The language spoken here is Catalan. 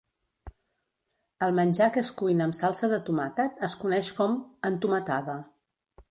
El menjar que es cuina amb salsa de tomàquet es coneix com "entomatada".